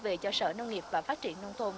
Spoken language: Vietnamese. về cho sở nông nghiệp và phát triển nông thôn